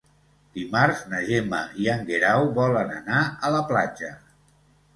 Dimarts na Gemma i en Guerau volen anar a la platja.